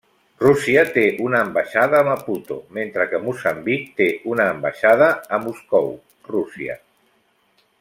Rússia té una ambaixada a Maputo, mentre que Moçambic té una ambaixada a Moscou, Rússia.